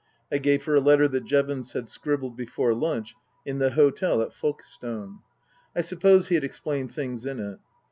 I gave her a letter that Jevons had scribbled before lunch in the hotel at Folkestone. I suppose he had explained things in it.